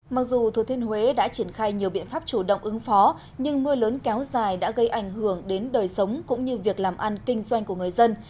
mặc dù thừa thiên huế đã triển khai nhiều biện pháp chủ động ứng phó nhưng mưa lớn kéo dài đã gây ảnh hưởng đến đời sống cũng như việc làm ăn kinh doanh của người dân